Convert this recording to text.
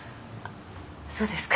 そうですか。